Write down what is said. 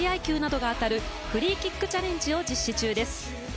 球などが当たるフリーキックチャレンジを実施中です。